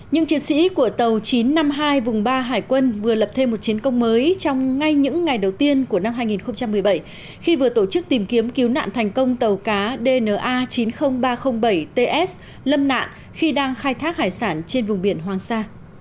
những chiến sĩ của tàu chín trăm năm mươi hai vùng ba hải quân vừa lập thêm một chiến công mới trong ngay những ngày đầu tiên của năm hai nghìn một mươi bảy khi vừa tổ chức tìm kiếm cứu nạn thành công tàu cá dna chín mươi nghìn ba trăm linh bảy ts lâm nạn khi đang khai thác hải sản trên vùng biển hoàng sa